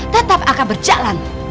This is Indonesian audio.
tetap akan berjalan